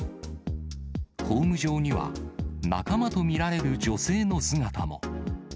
ホーム上には、仲間と見られる女性の姿も。